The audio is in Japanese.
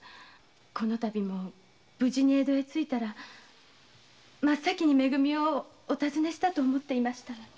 このたびも無事に江戸へ着いたら真っ先に「め組」をお尋ねしたと思っていましたのに。